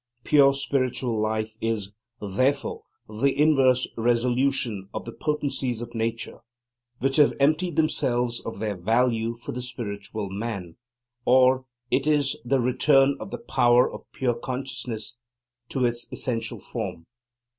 Pure spiritual life is, therefore, the inverse resolution of the potencies of Nature, which have emptied themselves of their value for the Spiritual man; or it is the return of the power of pure Consciousness to its essential form.